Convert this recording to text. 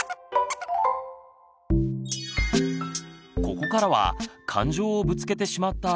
ここからは感情をぶつけてしまった